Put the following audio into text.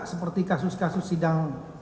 seperti kasus kasus sidang